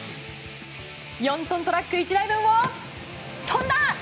４トントラック１台分を飛んだ！